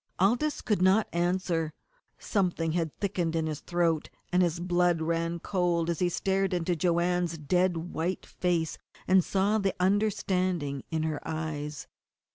Aldous could not answer; something had thickened in his throat, and his blood ran cold as he stared into Joanne's dead white face and saw the understanding in her eyes.